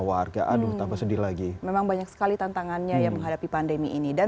warga aduh tanpa sedih lagi memang banyak sekali tantangannya yang menghadapi pandemi ini dan